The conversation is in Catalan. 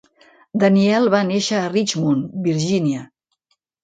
Daniel va néixer a Richmond, Virginia.